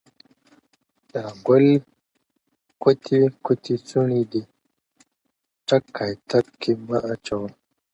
اې گل گوتې څوڼې دې!! ټک کایتک کي مه اچوه